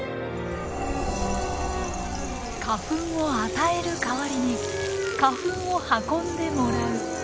花粉を与える代わりに花粉を運んでもらう。